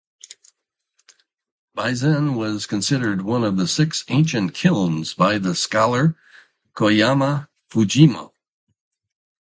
Bizen was considered one of the Six Ancient Kilns by the scholar Koyama Fujio.